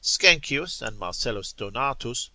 Skenkius and Marcellus Donatus l.